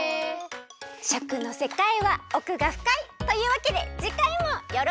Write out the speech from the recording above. しょくのせかいはおくがふかい！というわけでじかいもよろしくった！